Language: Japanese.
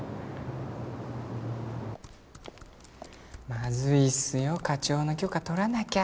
まずいっすよ課長の許可取らなきゃ。